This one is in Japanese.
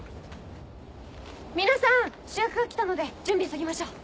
皆さん主役が来たので準備急ぎましょう。